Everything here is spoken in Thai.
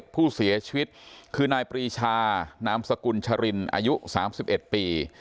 ผู้เสียชีวิตคือนายปรีชานามสกุลชรินอายุ๓๑ปี